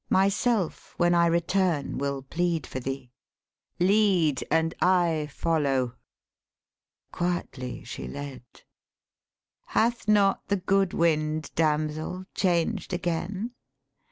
'Myself when I return will plead for thee. Lead, and I follow.' Quietly she led. 'Hath not the good wind, damsel, changed again?'